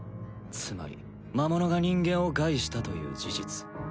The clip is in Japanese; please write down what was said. つまり魔物が人間を害したという事実